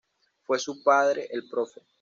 Fue su padre el Prof.